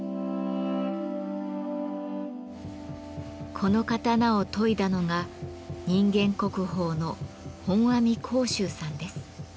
この刀を研いだのが人間国宝の本阿弥光洲さんです。